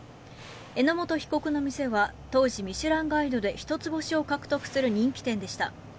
榎本被告の店は当時「ミシュランガイド」で１つ星を獲得する人気店でした。